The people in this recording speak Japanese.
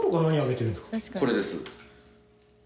これです。